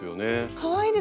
かわいいですね。